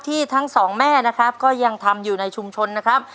ทั้งสองแม่นะครับก็ยังทำอยู่ในชุมชนนะครับ